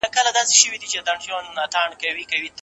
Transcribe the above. فولجر کتابتون ته یو اوبو وهلی کتاب راوړل سو.